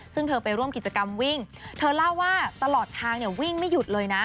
ซึ่งเธอไปร่วมกิจกรรมวิ่งเธอเล่าว่าตลอดทางเนี่ยวิ่งไม่หยุดเลยนะ